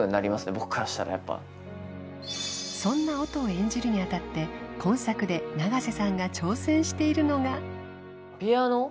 僕からしたらやっぱそんな音を演じるにあたって今作で永瀬さんが挑戦しているのがピアノ？